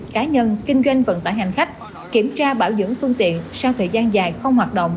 cá nhân kinh doanh vận tải hành khách kiểm tra bảo dưỡng phương tiện sau thời gian dài không hoạt động